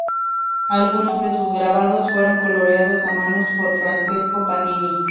Algunos de sus grabados fueron coloreados a mano por Francesco Panini.